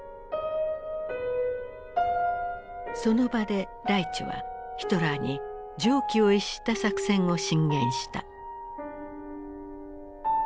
その場でライチュはヒトラーに常軌を逸した作戦を進言した。